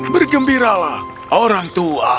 bergembiralah orang tua